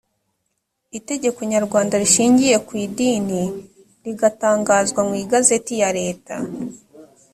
itegeko nyarwanda rishingiye ku idini rigatangazwa mu igazeti ya leta